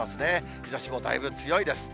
日ざしもだいぶ強いです。